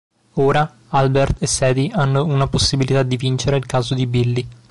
Ora, Albert e Sadie hanno una possibilità di vincere il caso di Billy.